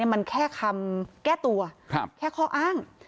มันแค่คำแก้ตัวแค่ข้ออ้าง